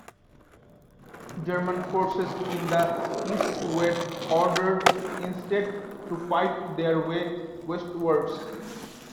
German forces in the east were ordered instead to fight their way westwards.